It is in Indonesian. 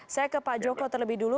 saya ke pak joko terlebih dulu